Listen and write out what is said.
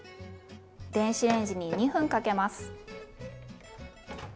電子レンジに２分かけます。